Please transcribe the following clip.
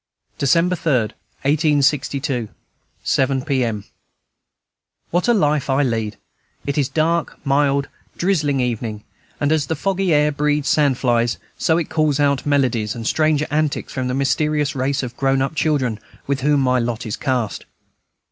December 3, 1862. 7 P.M. What a life is this I lead! It is a dark, mild, drizzling evening, and as the foggy air breeds sand flies, so it calls out melodies and strange antics from this mysterious race of grown up children with whom my lot is cast.